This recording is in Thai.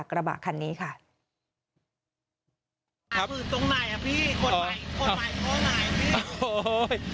กระบะคันนี้ค่ะตรงไหนอ่ะพี่คนไหมคนไหมข้อไหนพี่